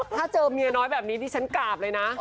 ถ้าเจอเมียน้อยแบบนี้ดิฉันกราบเลยนะ